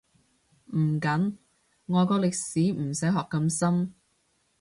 唔緊，外國歷史唔使學咁深